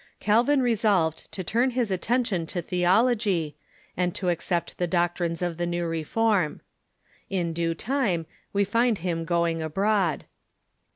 Calvin resolved to turn his attention to theology, and to accept the doctrines of the new reform. In due time we find him going abroad.